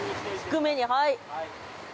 ◆低めに、はい。